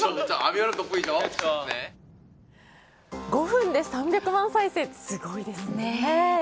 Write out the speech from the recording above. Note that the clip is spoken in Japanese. ５分で３００万再生ってすごいですよね。